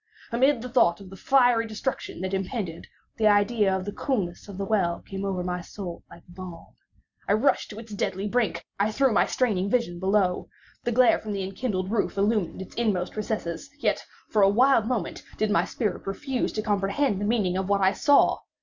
Amid the thought of the fiery destruction that impended, the idea of the coolness of the well came over my soul like balm. I rushed to its deadly brink. I threw my straining vision below. The glare from the enkindled roof illumined its inmost recesses. Yet, for a wild moment, did my spirit refuse to comprehend the meaning of what I saw.